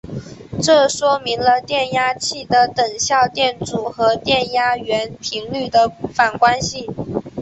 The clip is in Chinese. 这说明了电压器的等效电阻和电压源频率的反关系。